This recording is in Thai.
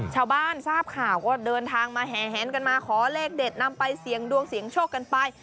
ชาวบ้านทราบข่าวก็เดินทางมาแห่แหนกันมาขอเลขเด็ดนำไปเสี่ยงดวงเสียงโชคกันไป